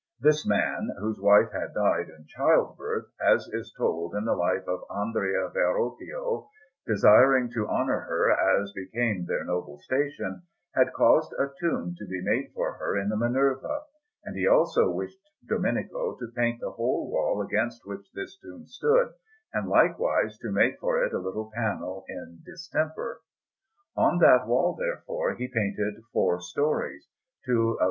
This man, whose wife had died in childbirth, as is told in the Life of Andrea Verrocchio, desiring to honour her as became their noble station, had caused a tomb to be made for her in the Minerva; and he also wished Domenico to paint the whole wall against which this tomb stood, and likewise to make for it a little panel in distemper. On that wall, therefore, he painted four stories two of S.